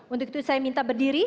untuk itu saya minta berdiri